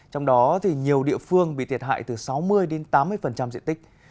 trong đó nhiều địa phương bị thiệt hại từ sáu mươi đến tám mươi diện tích